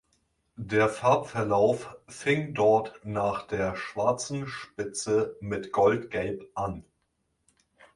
Der Farbverlauf fing dort nach der schwarzen Spitze mit goldgelb an.